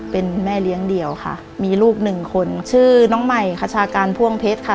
เป็นแม่เลี้ยงเดี่ยวค่ะมีลูกหนึ่งคนชื่อน้องใหม่คชาการพ่วงเพชรค่ะ